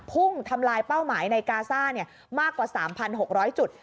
ทำลายเป้าหมายในกาซ่ามากกว่า๓๖๐๐จุด